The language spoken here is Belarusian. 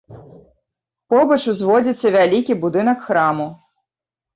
Побач узводзіцца вялікі будынак храму.